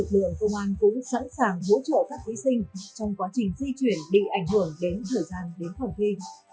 công an cũng sẵn sàng hỗ trợ các thí sinh trong quá trình di chuyển đi ảnh hưởng đến thời gian đến phòng thi